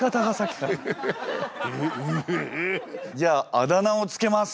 じゃああだ名を付けます。